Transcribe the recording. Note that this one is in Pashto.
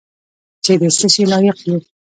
چې د څه شي لایق یو .